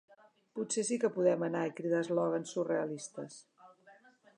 Potser sí que podem anar i cridar eslògans surrealistes.